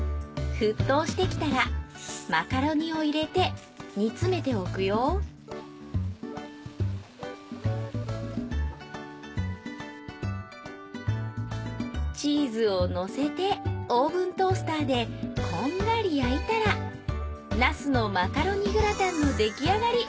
沸騰してきたらマカロニを入れて煮詰めておくよチーズをのせてオーブントースターでこんがり焼いたらなすのマカロニグラタンの出来上がり。